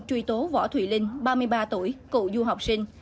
truy tố võ thùy linh ba mươi ba tuổi cựu du học sinh